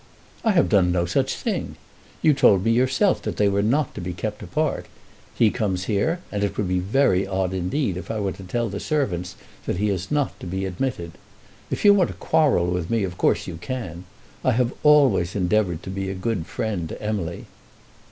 "I have done no such thing. You told me yourself that they were not to be kept apart. He comes here, and it would be very odd indeed if I were to tell the servants that he is not to be admitted. If you want to quarrel with me, of course you can. I have always endeavoured to be a good friend to Emily."